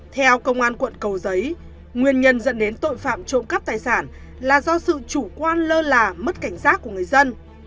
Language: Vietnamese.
theo công an quận cầu giấy nguyên nhân dẫn đến tội phạm trộm cắp tài sản là do sự chủ quan lơ là mất cảnh giác của người dân